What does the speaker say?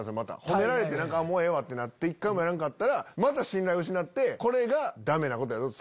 褒められてもうええわってなって一回もやらんかったらまた信頼失って「これがダメなことやぞ」